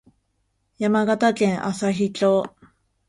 山形県朝日町